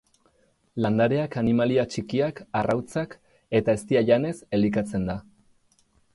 Landareak, animalia txikiak, arrautzak eta eztia janez elikatzen da.